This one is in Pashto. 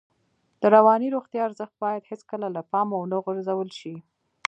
د رواني روغتیا ارزښت باید هېڅکله له پامه ونه غورځول شي.